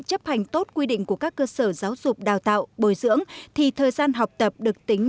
chấp hành tốt quy định của các cơ sở giáo dục đào tạo bồi dưỡng thì thời gian học tập được tính